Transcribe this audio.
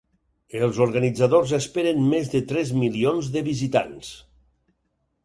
Els organitzadors esperen més de tres milions de visitants.